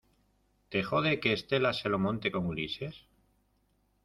¿ te jode que Estela se lo monte con Ulises?